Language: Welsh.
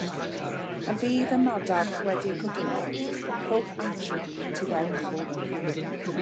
Pan fydd y madarch wedi'u coginio, rhowch ansiofi tu fewn i bob un.